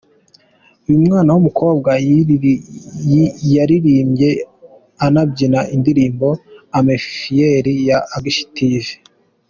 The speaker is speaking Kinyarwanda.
Uyu mwana w'umukobwa yaririmbye anabyina indirimbo "Amafiyeri ya Active".